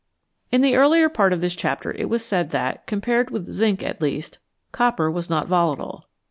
In the earlier part of this chapter it was said that, compared with zinc at least, copper was not volatile.